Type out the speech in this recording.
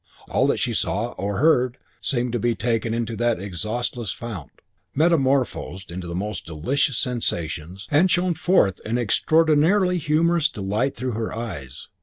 All that she saw or heard seemed to be taken into that exhaustless fount, metamorphosed into the most delicious sensations, and shone forth in extraordinarily humorous delight through her eyes.